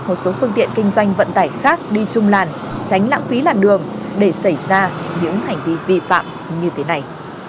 một số phương tiện kinh doanh vận tải khác đi chung làn tránh lãng phí làn đường để xảy ra những hành vi vi phạm như thế này